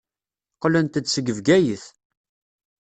Qqlent-d seg Bgayet.